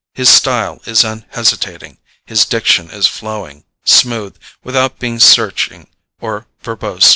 His style is unhesitating, his diction is flowing, smooth, without being searching or verbose!